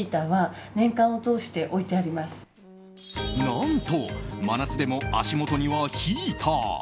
何と真夏でも足元にはヒーター。